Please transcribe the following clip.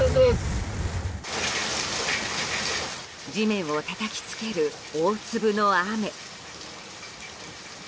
地面をたたきつける大粒の雨。